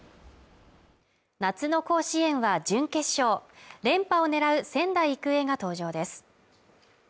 夏の甲子園は準決勝連覇を狙う仙台育英が登場です